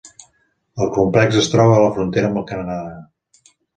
El complex es troba a la frontera amb el Canadà.